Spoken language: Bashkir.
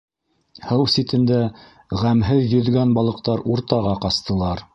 Һыу ситендә ғәмһеҙ йөҙгән балыҡтар уртаға ҡастылар.